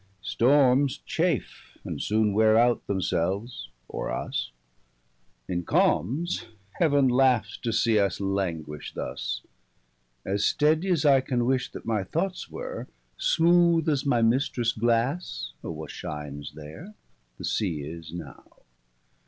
Stormes chafe, and soone weare out themselves, or us; 5 In calmes, Heaven laughs to see us languish thus. As steady'as I can wish, that my thoughts were, Smooth as thy mistresse glasse, or what shines there, The sea is now.